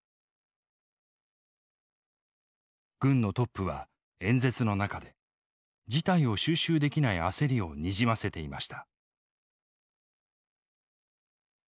軍のトップは演説の中で事態を収拾できない焦りをにじませていました。